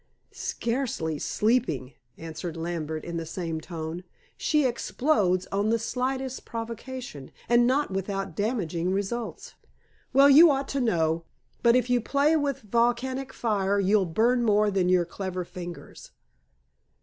"Scarcely sleeping," answered Lambert in the same tone. "She explodes on the slightest provocation, and not without damaging results." "Well, you ought to know. But if you play with volcanic fire you'll burn more than your clever fingers."